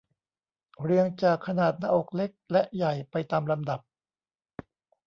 เรียงจากขนาดหน้าอกเล็กและใหญ่ไปตามลำดับ